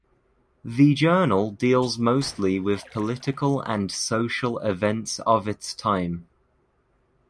The journal deals mostly with political and social events of its time.